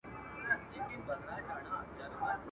هر يو سر يې هره خوا وهل زورونه.